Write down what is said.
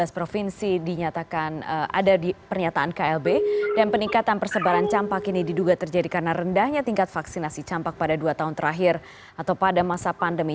tujuh belas provinsi dinyatakan ada di pernyataan klb dan peningkatan persebaran campak ini diduga terjadi karena rendahnya tingkat vaksinasi campak pada dua tahun terakhir atau pada masa pandemi